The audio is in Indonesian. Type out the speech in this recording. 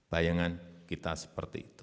bayangan kita seperti itu